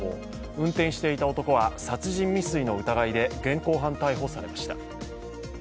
運転していた男は殺人未遂の疑いで現行犯逮捕されました。